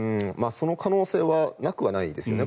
その可能性はなくはないです。